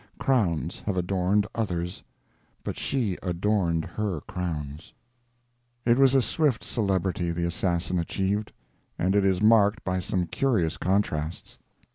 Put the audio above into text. Crowns have adorned others, but she adorned her crowns. It was a swift celebrity the assassin achieved. And it is marked by some curious contrasts.